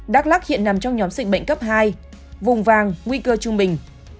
đắk lắc hiện nằm trong nhóm dịch bệnh cấp hai vùng vàng nguy cơ trung bình